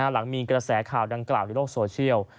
หลังมีกระแสข่าวดังกล่าวในโลกโซเชียล